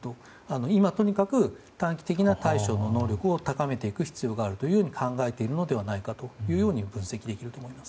今、とにかく短期的な対処の能力を高めていく必要があると考えているのではないかと分析できると思います。